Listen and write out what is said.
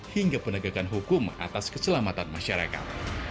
hingga penegakan hukum atas keselamatan masyarakat